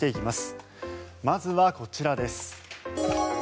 まずはこちらです。